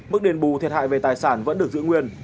mức đền bù thiệt hại về tài sản vẫn được giữ nguyên